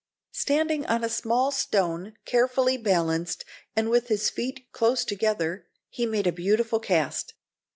Standing on a small stone, carefully balanced, and with his feet close together, he made a beautiful cast.